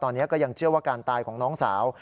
ตอนนี้ก็ยังเชื่อว่าการตายของน้องสาว